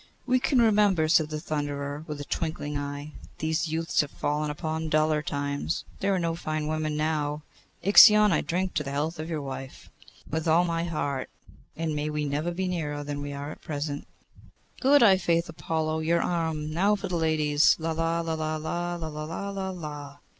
'We can remember,' said the Thunderer, with a twinkling eye. 'These youths have fallen upon duller times. There are no fine women now. Ixion, I drink to the health of your wife.' 'With all my heart, and may we never be nearer than we are at present.' 'Good! i'faith; Apollo, your arm. Now for the ladies. La, la, la, la! la, la, la, la!